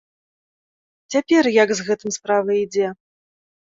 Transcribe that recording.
Цяпер як з гэтым справа ідзе?